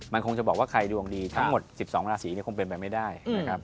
มันคงจะบอกว่าใครดวงดีทั้งหมด๑๒ราศีคงเป็นไปไม่ได้นะครับ